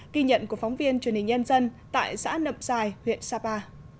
kỳ nhận của phóng viên truyền hình nhân dân tại xã nậm giài huyện sapa